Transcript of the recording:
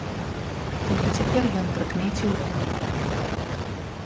Толькі цяпер ён прыкмеціў рэвальвер.